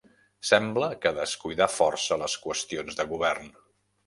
Sembla que descuidà força les qüestions de govern.